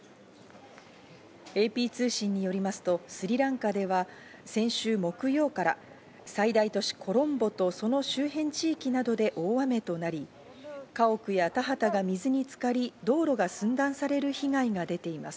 ＡＰ通信によりますと、スリランカでは先週木曜から最大都市コロンボとその周辺地域などで大雨となり、家屋や田畑が水につかり、道路が寸断される被害が出ています。